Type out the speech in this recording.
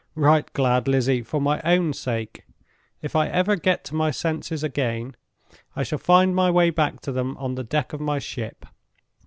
"Right glad, Lizzie, for my own sake. If I ever get to my senses again, I shall find my way back to them on the deck of my ship.